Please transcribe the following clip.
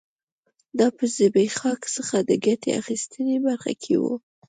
دا په زبېښاک څخه د ګټې اخیستنې برخه کې و